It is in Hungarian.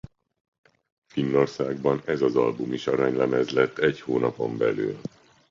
Finnországban ez az album is aranylemez lett egy hónapon belül.